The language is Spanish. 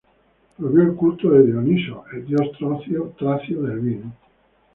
Prohibió el culto de Dioniso, el dios tracio del vino.